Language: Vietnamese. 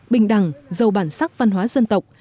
bình đẳng giàu bản sắc văn hóa dân tộc